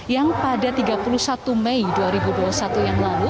yang pada tiga puluh satu mei dua ribu dua puluh satu yang lalu